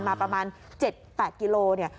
มาประมาณ๗๘กิโลเมตร